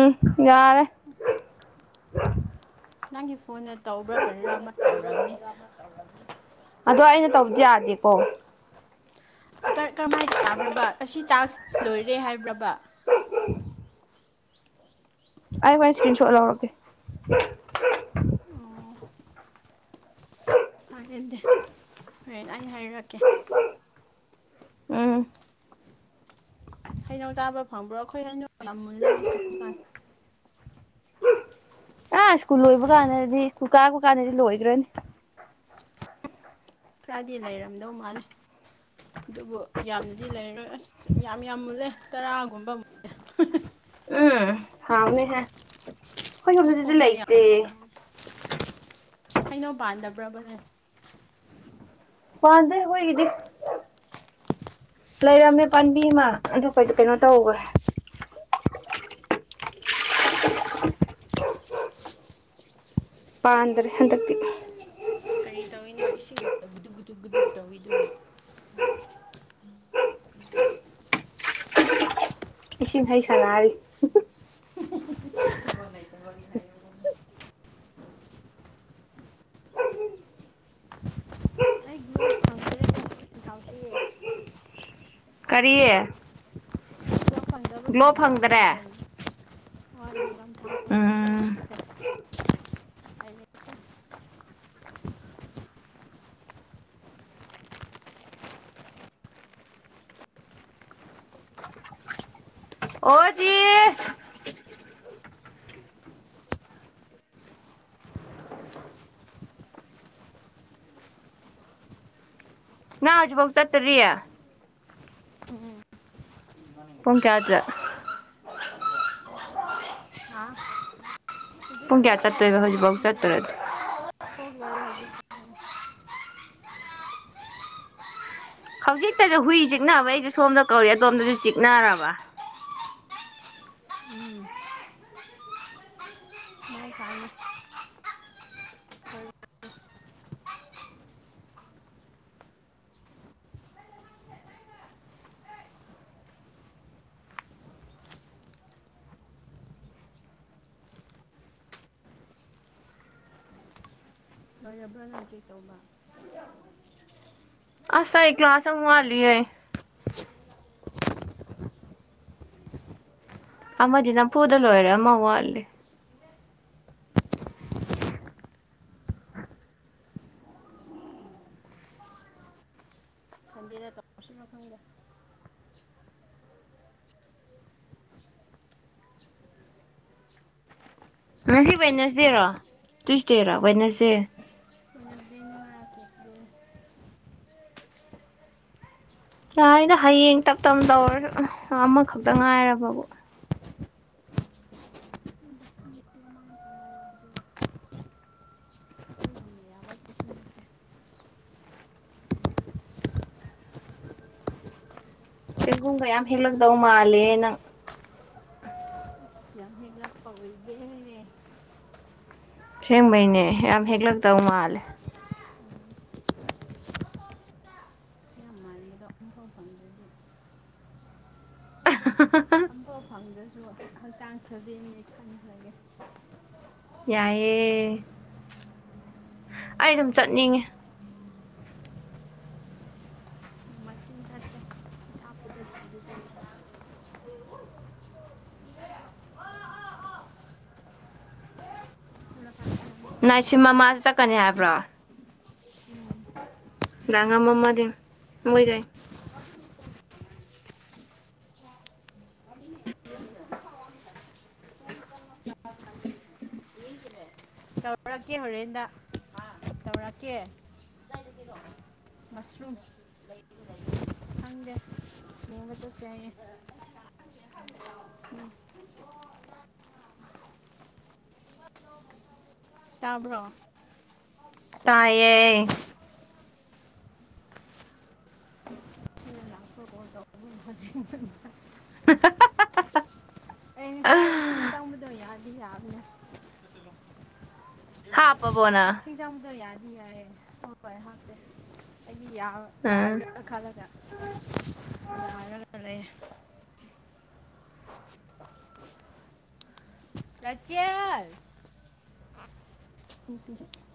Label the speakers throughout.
Speaker 1: ꯎꯝ ꯌꯥꯔꯦ
Speaker 2: ꯑꯁ
Speaker 1: [unintelligible]
Speaker 2: ꯅꯪꯒꯤ ꯐꯣꯟꯅ ꯇꯧꯕ꯭ꯔꯥ ꯀꯔꯤꯔꯥ ꯑꯃ ꯇꯧꯔꯝꯅꯤ
Speaker 1: ꯑꯗꯣ ꯑꯩꯅ ꯇꯧꯕꯗꯤ ꯌꯥꯗꯦꯀꯣ
Speaker 2: ꯀ ꯀꯔꯝꯃꯥꯏꯅ ꯇꯥꯕ꯭ꯔꯕ ꯑꯁꯤ ꯇꯥꯛꯁ ꯂꯣꯏꯔꯦ ꯍꯥꯏꯕ꯭ꯔꯥꯕ
Speaker 1: ꯑꯩꯥ ꯍꯣꯔꯦꯟ ꯁꯀ꯭ꯔꯤꯟꯁꯣꯠ ꯂꯧꯔꯛꯀꯦ
Speaker 2: ꯑꯣ [unintelligible] ꯍꯨꯔꯦꯟ ꯑꯩ ꯍꯥꯏꯔꯛꯀꯦ
Speaker 1: ꯎꯝ
Speaker 2: ꯍꯩꯅꯧ ꯆꯥꯕ ꯐꯪꯕ꯭ꯔꯣ ꯑꯈꯣꯏ ꯍꯩꯅꯧ ꯌꯥꯝ ꯃꯨꯜꯂꯦ ꯉ [unintelligible]
Speaker 1: ꯑꯥ ꯁ꯭ꯀꯨꯜ ꯂꯣꯏꯕꯀꯥꯟꯗꯗꯤ ꯁ꯭ꯀꯨꯜ ꯀꯥꯔꯛꯄꯀꯥꯟꯗꯗꯤ ꯂꯣꯏꯒ꯭ꯔꯅꯤ
Speaker 2: ꯈ꯭ꯔꯗꯤ ꯂꯩꯔꯝꯗꯧ ꯃꯥꯜꯂꯦ ꯗꯨꯕꯨ ꯌꯥꯝꯅꯗꯤ ꯂꯩꯔꯣꯏ ꯑꯁ ꯌꯥꯝ ꯌꯥꯝ ꯃꯨꯜꯂꯦ ꯇꯔꯥꯒꯨꯝꯕ
Speaker 1: ꯎꯝ ꯍꯥꯎꯅꯤꯍꯦ ꯈꯣꯏ ꯁꯣꯝꯗꯗꯤꯗꯤ
Speaker 2: ꯃꯈꯣꯡꯗ
Speaker 1: ꯂꯩꯇꯦ
Speaker 2: ꯌꯥꯝ ꯂꯩꯍꯧꯗꯦ ꯍꯩꯅꯧ ꯄꯥꯟꯗꯕ꯭ꯔꯕ ꯅꯣꯏ
Speaker 1: ꯄꯥꯟꯗꯦ ꯍꯣꯏꯒꯤꯗꯤ ꯂꯩꯔꯝꯃꯦ ꯄꯥꯟꯕꯤ ꯃꯥ ꯑꯗꯨ ꯀꯩꯗꯣ ꯀꯩꯅꯣ ꯇꯧꯒ꯭ꯔꯦ ꯄꯥꯟꯗꯔꯦ ꯍꯟꯗꯛꯇꯤ
Speaker 2: ꯀꯔꯤ ꯇꯧꯋꯤꯅꯣ ꯏꯁꯤꯡ ꯒꯨꯗꯨꯛ-ꯒꯨꯗꯨꯛ-ꯒꯗꯨꯛ ꯇꯧꯋꯤꯗꯨꯅ
Speaker 1: ꯏꯁꯤꯡ ꯍꯩ ꯁꯥꯟꯅꯥꯔꯤ
Speaker 2: ꯊꯕꯛ ꯂꯩꯇꯕꯒꯤ ꯍꯩ ꯑꯩ ꯒ꯭ꯂꯣꯞ ꯐꯪꯗ꯭ꯔꯦ [unintelligible]
Speaker 1: ꯀꯔꯤ
Speaker 2: [unintelligible] ꯐꯪꯗꯕꯒꯤ
Speaker 1: ꯒ꯭ꯂꯣ
Speaker 2: ꯍꯪꯒꯥꯝ
Speaker 1: ꯐꯪꯗ꯭ꯔꯦ
Speaker 2: ꯊꯥꯎ ꯑꯣꯏꯅ ꯑꯣꯏ ꯍꯪꯒꯝ
Speaker 1: ꯎꯝ
Speaker 2: [unintelligible]
Speaker 1: ꯑꯣꯖꯤ ꯅꯪ ꯍꯧꯖꯤꯛꯐꯧ ꯆꯠꯇ꯭ꯔꯤ ꯄꯨꯡ ꯀꯌꯥꯗ꯭ꯔꯥ ꯄꯨꯡ ꯀꯌꯥ
Speaker 2: ꯑꯦ
Speaker 1: ꯆꯠꯇꯣꯏꯕ ꯍꯧꯖꯤꯛꯕꯧ
Speaker 2: ꯆꯠꯄꯅꯤꯅ
Speaker 1: ꯆꯠꯇ꯭ꯔꯗꯤ
Speaker 2: ꯊꯣꯛ ꯂꯣꯏꯔꯦ ꯍꯧꯖꯤꯛ
Speaker 1: ꯍꯧꯖꯤꯛꯇꯖꯨ ꯍꯨꯏ ꯆꯤꯛꯅꯕꯒꯤ ꯑꯩꯖꯨ ꯁꯣꯝꯗ ꯀꯧꯔꯤ ꯑꯗꯣꯝꯗꯖꯨ ꯆꯤꯛꯅꯔꯕ
Speaker 2: ꯎꯝ [unintelligible] ꯂꯣꯏꯔꯕ꯭ꯔꯥ ꯅꯪ ꯆꯦꯛ ꯇꯧꯕ [unintelligible]
Speaker 1: ꯑꯁ ꯑꯩ ꯀ꯭ꯂꯥꯁ ꯑꯝ ꯋꯥꯠꯂꯤꯌꯩ ꯑꯃꯗꯤ ꯅꯝꯐꯨꯗ ꯂꯣꯏꯔꯦ ꯑꯃ ꯋꯥꯠꯂꯤ
Speaker 2: ꯁꯟꯗꯦꯗ ꯇꯧꯔꯁꯤꯔ ꯈꯪꯗꯦ
Speaker 1: ꯉꯁꯤ ꯋꯥꯏꯅ꯭ꯁꯗꯦꯔꯣ ꯇꯨꯏꯁꯗꯦꯔꯥ ꯋꯥꯏꯅ꯭ꯁꯗꯦ
Speaker 2: ꯋꯥꯏꯅ꯭ꯁꯗꯦꯅꯦ [unintelligible]
Speaker 1: ꯌꯥꯏꯗ ꯍꯌꯦꯡ ꯇꯞ ꯇꯞ ꯇꯧꯔꯖꯨ ꯑꯃꯈꯛꯇ ꯉꯥꯏꯔꯕꯕꯨ
Speaker 2: ꯅꯨꯃꯤꯠ ꯑꯃ ꯉꯥꯛꯇ ꯉꯥꯏꯔꯕꯗꯨ ꯑꯩꯈꯣꯏꯒꯨꯝꯕ ꯌꯥꯕ ꯀꯩꯁꯨ ꯅꯠꯇꯦ
Speaker 1: ꯆꯦꯡꯒꯨꯡꯒ ꯌꯥꯝ ꯍꯦꯛꯂꯛꯗꯧ ꯃꯜꯂꯦ ꯅꯪ
Speaker 2: ꯌꯥꯝ ꯍꯦꯛꯂꯛ ꯇꯧꯔꯤꯒꯦ
Speaker 1: ꯁꯦꯡꯕꯩꯅꯦ ꯌꯥꯝ ꯍꯦꯛꯂꯛꯇꯧ ꯃꯥꯜꯂꯦ
Speaker 2: ꯑꯗꯨ ꯐꯥꯎ ꯐꯪꯗ꯭ꯔꯗꯤ ꯍꯣꯏꯗ
Speaker 1: [unintelligible]
Speaker 2: ꯑꯝꯐꯥꯎ ꯐꯪꯗ꯭ꯔꯁꯨ ꯍꯛꯆꯥꯡ ꯁꯥꯖꯦꯟꯅꯦ ꯈꯟꯈ꯭ꯔꯒꯦ
Speaker 1: ꯌꯥꯏꯌꯦ ꯑꯩꯗꯨꯝ ꯆꯠꯅꯤꯡꯉꯦ
Speaker 2: ꯃꯥꯏ ꯆꯤꯟ ꯆꯠꯁꯦ ꯑꯊꯥꯞꯄꯗ [unintelligible]
Speaker 1: [unintelligible] ꯃꯥꯁꯨ ꯆꯠꯀꯅꯤ ꯍꯥꯏꯕ꯭ꯔꯣ
Speaker 2: ꯎꯝ
Speaker 1: [unintelligible] ꯃꯣꯏꯗꯩ
Speaker 2: [unintelligible] ꯇꯧꯔꯛꯀꯦ ꯍꯣꯔꯦꯟꯗ ꯍꯥ ꯇꯧꯔꯛꯀꯦ ꯀꯗꯥꯏꯗꯒꯤꯅꯣ ꯃꯁꯔꯨꯝ [unintelligible] ꯈꯪꯗꯦ ꯌꯦꯡꯕ ꯆꯠꯁꯦ ꯍꯥꯏꯌꯦ ꯇꯥꯕ꯭ꯔꯣ
Speaker 1: ꯇꯥꯏꯌꯦ
Speaker 2: [unintelligible] [unintelligible]
Speaker 1: [unintelligible]
Speaker 2: ꯑꯩ ꯉꯁꯥꯏ ꯏꯁꯤꯡ ꯆꯪꯕꯗꯣ ꯌꯥꯗꯤ ꯌꯥꯕꯅꯦ
Speaker 1: ꯍꯥꯥꯞꯄꯕꯣ ꯅꯪ
Speaker 2: [unintelligible] ꯌꯥꯗꯤ ꯌꯥꯏꯌꯦ ꯍꯣꯏ ꯍꯣꯏ ꯍꯥꯞꯇꯦ ꯑꯩꯗꯤ ꯌꯥꯔ
Speaker 1: ꯎꯝ
Speaker 2: ꯌꯥꯒꯗ꯭ꯔ ꯈꯜꯂꯒ ꯌꯥꯔꯒ ꯂꯩꯌꯦ ꯔꯩꯆꯦꯜ [unintelligible]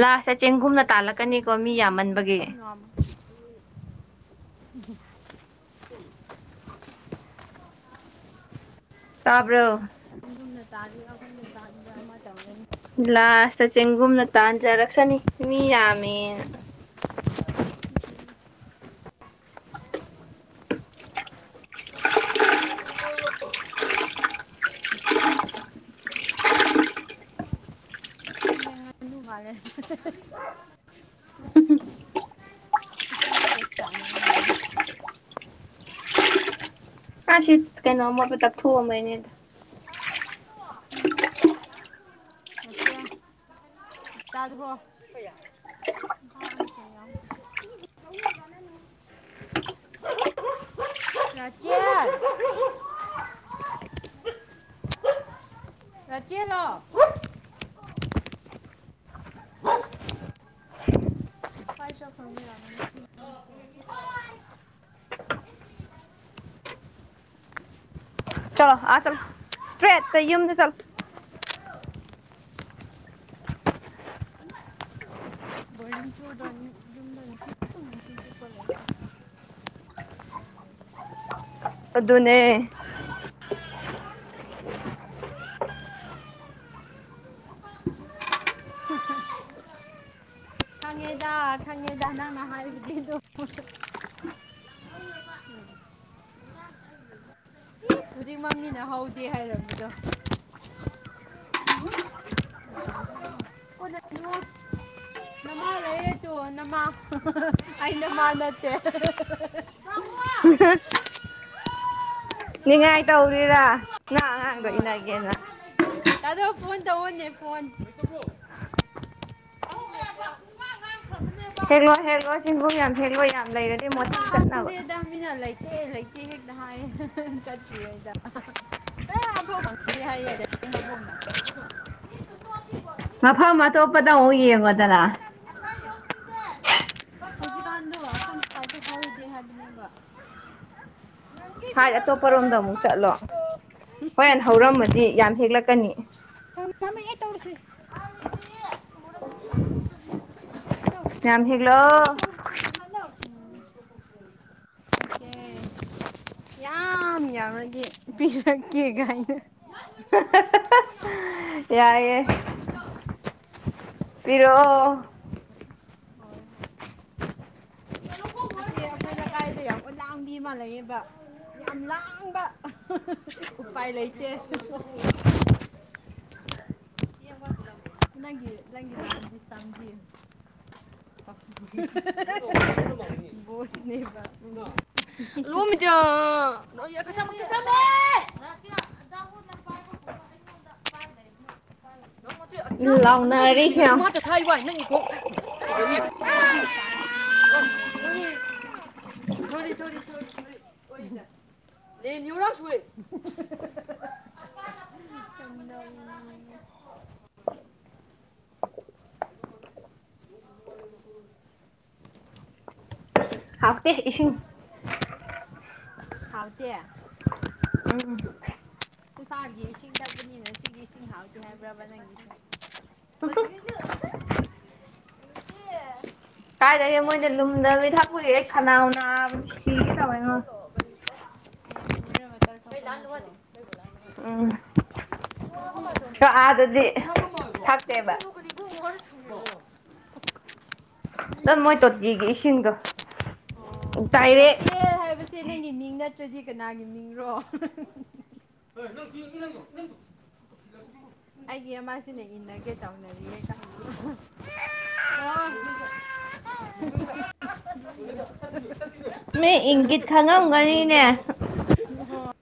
Speaker 1: ꯂꯥꯁꯇ ꯆꯦꯡꯒꯨꯝꯅ ꯇꯥꯜꯂꯛꯀꯅꯤꯀꯣ ꯃꯤ ꯌꯥꯝꯃꯟ
Speaker 2: [unintelligible] [unintelligible] [inaudible]
Speaker 1: ꯇꯥꯕ꯭ꯔꯣ
Speaker 2: ꯇꯥꯖꯕ ꯇꯥꯖꯕ ꯑꯃ ꯇꯧꯔꯦ
Speaker 1: ꯂꯥꯁꯇ ꯆꯦꯡꯒꯨꯝꯅ ꯇꯥꯟꯖꯔꯛꯁꯅꯤ ꯃꯤ ꯌꯥꯝꯃꯦ
Speaker 2: [unintelligible] ꯏꯁꯤꯡ ꯉꯛꯇ ꯆꯥꯅꯕ ꯃꯥꯂꯦ
Speaker 1: ꯑꯥ ꯁꯤ ꯀꯩꯅꯣ ꯑꯃꯣꯠꯄ ꯇꯛꯊ ꯑꯝꯕꯩꯅꯦ
Speaker 2: [unintelligible] ꯑꯆꯥ ꯌꯥꯖꯕ꯭ꯔꯣ [unintelligible] [unintelligible] ꯉꯆ ꯌꯥ ꯔꯆꯤꯂꯣ [unintelligible]
Speaker 1: ꯆꯂꯣ ꯑꯥ ꯆ ꯁꯇ꯭ꯔꯦꯠꯇ ꯌꯨꯝꯗ ꯆꯠꯂꯣ
Speaker 2: [unintelligible]
Speaker 1: ꯑꯗꯨꯅꯦ
Speaker 2: ꯈꯪꯉꯦꯗ ꯈꯪꯉꯦꯗ ꯅꯪꯅ ꯍꯥꯏꯕꯕꯗꯤ ꯑꯗꯨ ꯎꯝ ꯑꯤꯁ ꯍꯧꯖꯤꯛꯃꯛꯅꯤꯅ ꯍꯧꯗꯦ ꯍꯥꯏꯔꯝꯕꯗꯣ ꯑꯣ ꯀꯣꯟꯅꯅꯣ ꯑꯆꯣ ꯅꯃꯥ ꯑꯩ ꯅꯃꯥ ꯅꯠꯇꯦ
Speaker 1: ꯑꯍ ꯅꯤꯡꯉꯥꯏ ꯇꯧꯔꯤꯔꯥ ꯅꯪ ꯑꯉꯥꯡꯗꯣ ꯏꯟꯅꯒꯦꯅ
Speaker 2: ꯇꯥꯗꯣ ꯐꯣꯟ ꯇꯧꯑꯣꯅꯦ ꯐꯣꯟ [unintelligible]
Speaker 1: ꯍꯦꯛꯂꯣ ꯍꯦꯛꯂꯣ ꯍꯦꯛꯂꯣ ꯌꯥꯝ ꯍꯦꯛꯂꯣ ꯌꯥꯝ ꯂꯩꯔꯗꯤ ꯃꯣꯢꯊꯪ ꯆꯠꯅꯕ
Speaker 2: ꯃꯤꯅ ꯂꯩꯇꯦ ꯂꯩꯇꯦ ꯍꯦꯛꯇ ꯍꯥꯏꯌꯦ ꯆꯠꯇ꯭ꯔꯤꯉꯩꯗ [unintelligible]
Speaker 1: ꯃꯐꯝ ꯑꯇꯣꯞꯄꯗ ꯑꯃꯨꯛ ꯌꯦꯡꯉꯣꯗꯅ
Speaker 2: ꯍꯧꯖꯤꯛ ꯀꯥꯟꯗꯣ ꯁꯤꯕꯥꯥꯟꯗꯕ ꯀꯃꯥꯏꯗꯣ ꯍꯧꯒꯦ ꯍꯥꯏꯕꯅꯦꯕ
Speaker 1: ꯍꯥꯏ ꯑꯇꯣꯞꯄꯔꯣꯝꯗ ꯑꯃꯨꯛ ꯆꯠꯂꯣ ꯍꯣꯔꯦꯟ ꯍꯧꯔꯝꯃꯗꯤ ꯌꯥꯝ ꯍꯦꯛꯂꯛꯀꯅꯤ
Speaker 2: ꯌꯥꯝꯃꯛꯑꯦ ꯇꯧꯔꯤꯁꯦ ꯑꯣꯀꯦ
Speaker 1: ꯌꯥꯝ ꯍꯦꯛꯂꯣ
Speaker 2: ꯇꯧꯔꯦ ꯃꯩꯇꯦ ꯌꯥꯝ ꯌꯥꯝꯔꯗꯤ ꯄꯤꯔꯛꯀꯦ ꯀꯥꯏꯅ
Speaker 1: [unintelligible] ꯌꯥꯏꯑꯦ ꯄꯤꯔꯣꯑꯣ
Speaker 2: ꯑꯁꯤ ꯑꯩꯈꯣꯏ ꯂꯩꯀꯥꯏꯗ ꯌꯥꯝ ꯎꯂꯥꯝꯕꯤ ꯃꯥꯜꯂꯛꯑꯦꯕ ꯌꯥꯝ ꯂꯥꯡꯕ ꯎꯄꯥꯏ ꯂꯩꯇꯦ ꯅꯪ ꯅꯪꯒꯤ ꯂꯥꯟꯗꯤ ꯁꯝꯗꯤ ꯕꯣꯁꯅꯦꯕ ꯂꯣꯃꯤꯇ ꯀꯁꯝ ꯀꯁꯝꯃꯦ ꯅ ꯄꯥꯏꯕꯒꯨꯝꯕ ꯑꯩꯉꯣꯟꯗ
Speaker 1: ꯂꯥꯎꯅꯔꯤꯁꯦ ꯌꯦꯡꯉꯣ
Speaker 2: ꯄꯥꯏꯅꯔꯤ [unintelligible] [inaudible] ꯁꯣꯔꯤ ꯁꯣꯔꯤ ꯁꯣꯔꯤ ꯁꯣꯔꯤ ꯁꯣꯔꯤ [unintelligible] [unintelligible] [inaudible]
Speaker 1: ꯍꯥꯎꯇꯦ ꯏꯁꯤꯡ
Speaker 2: ꯍꯥꯎ ꯇꯦ
Speaker 1: ꯎꯝ
Speaker 2: ꯏꯝꯐꯥꯜꯒꯤ ꯏꯁꯤꯡ ꯊꯛꯄꯅꯤꯅ ꯁꯤꯒꯤ ꯏꯁꯤꯡ ꯍꯞꯇꯦ ꯍꯥꯏꯕ꯭ꯔꯕ ꯅꯪꯒꯤꯁꯦ [unintelligible]
Speaker 1: ꯀꯥꯏꯗꯒꯦ ꯃꯣꯏꯗꯤ ꯂꯨꯝꯗꯕꯤ ꯊꯥꯛꯄꯒꯤ ꯑꯩ ꯈꯅꯥꯎ ꯅꯥꯕꯅ ꯁꯤꯒꯦ ꯇꯧꯑꯦꯉꯣ
Speaker 2: ꯅꯤꯀꯣ ꯃꯤꯅꯤꯔꯦꯜ ꯋꯇꯔ ꯊꯛꯄ꯭ꯔꯣ
Speaker 1: ꯎꯝ ꯈꯣꯏ ꯑꯥꯗꯗꯤ ꯊꯛꯇꯦꯕ
Speaker 2: ꯀꯔꯤ [unintelligible]
Speaker 1: ꯅꯟ ꯃꯣꯏ ꯇꯣꯠꯇꯤꯒꯤ ꯏꯁꯤꯡꯗꯣ
Speaker 2: ꯑꯣ
Speaker 1: ꯗꯥꯏꯔꯦꯛ
Speaker 2: ꯔꯆꯦꯜ ꯍꯥꯏꯕꯁꯤ ꯏꯆꯦ ꯅꯪꯒꯤ ꯃꯤꯡ ꯅꯠꯇ꯭ꯔꯗꯤ ꯀꯅꯥꯒꯤ ꯃꯤꯡꯔꯣ [unintelligible] ꯑꯩꯒꯤ ꯑꯃꯁꯤꯅ ꯏꯟꯅꯒꯦ ꯇꯧꯅꯔꯤꯑ ꯀ [inaudible] [inaudible] [inaudible]
Speaker 1: ꯃꯩ ꯏꯪꯒꯤꯠ ꯈꯪꯉꯝꯒꯅꯤꯅꯦ
Speaker 2: [inaudible]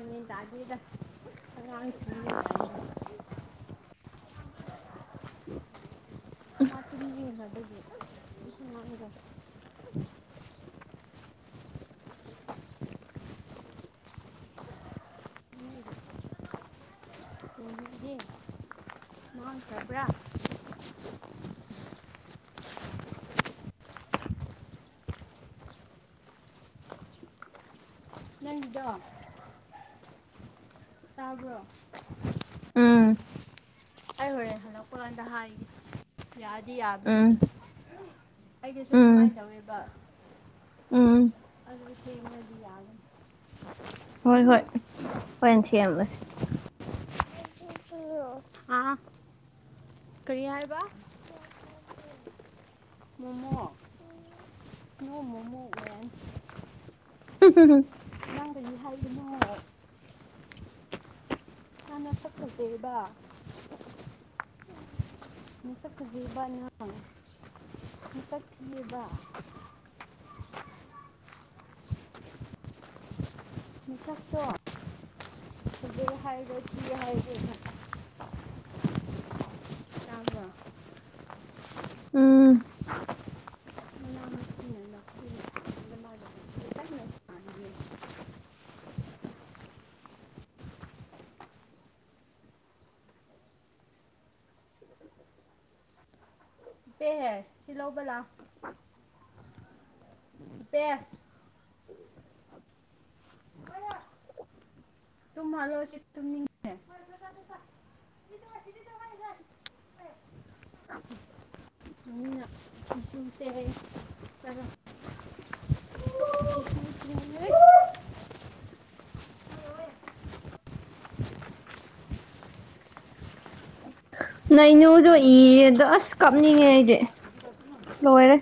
Speaker 2: [inaudible] ꯑꯉꯥꯡ ꯁꯤꯅꯤ ꯀꯥꯏꯅ ꯇꯤꯡ ꯍꯥꯗꯗꯣ ꯃꯥꯡꯈ꯭ꯔꯕ꯭ꯔꯥ ꯅꯪꯒꯤꯗꫭ ꯇꯥꯕꯔꯣ
Speaker 1: ꯎꯝ
Speaker 2: ꯑꯩ ꯍꯣꯔꯦꯟ ꯍꯜꯂꯛꯄ ꯀꯥꯟꯗ ꯍꯥꯏꯒꯦ ꯌꯥꯗꯤ ꯌꯥꯕꯅꯦ
Speaker 1: ꯎꯝ
Speaker 2: ꯑꯩꯒꯤꯁꯨ
Speaker 1: ꯎꯝ
Speaker 2: ꯑꯗꯨꯃꯥꯏꯅ ꯇꯧꯋꯦꯕ
Speaker 1: ꯎꯝ
Speaker 2: ꯑꯗꯨ [inaudible]
Speaker 1: ꯍꯣꯏ ꯍꯣꯏ ꯍꯣꯏ ꯁꯦꯝꯃꯁꯦ
Speaker 2: ꯑꯥ ꯀꯔꯤ ꯍꯥꯏꯔꯤꯕ ꯃꯣꯃꯣ ꯅ ꯃꯣꯃꯣ ꯑꯣꯏꯅ
Speaker 1: [unintelligible]
Speaker 2: ꯅꯪ ꯀꯔꯤ ꯍꯥꯏꯕꯅꯣ ꯅꯁꯛ ꯐꯖꯩꯕ ꯃꯁꯛ ꯐꯖꯩꯕ ꯅꯪ ꯃꯁꯛ ꯊꯤꯋꯦꯕ ꯅꯁꯛꯇꯣ [inaudible] ꯇꯕ꯭ꯔꯥ
Speaker 1: ꯎꯝ
Speaker 2: [inaudible] ꯄꯦꯍꯦ ꯁꯤ ꯂꯧꯕ ꯂꯥꯛꯎ ꯄꯦ ꯇꯨꯝꯍꯜꯂꯣ ꯁꯤ ꯇꯨꯝꯅꯤꯡ ꯃꯃꯤꯅ ꯏꯁꯨꯁꯦ ꯍꯩ [inaudible]
Speaker 1: ꯅꯩꯅꯨꯗꯣ ꯏꯔꯗ ꯑꯁ ꯀꯞꯅꯤꯡꯉꯦ ꯑꯩꯗꯤ ꯂꯣꯏꯔꯦ